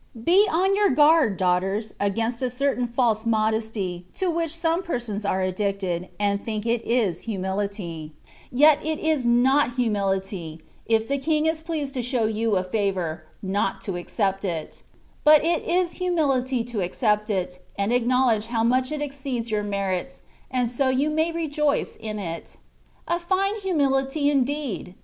Be on your guard, daughters, against a certain false modesty, to which some persons are addicted, and think it is humility : yet it is not humility, if the King is pleased to show you a favour, not to accept of it ; but it is humility to accept it, and acknowledge how much it exceeds your merits, and so you may rejoice in it. A fine humility indeed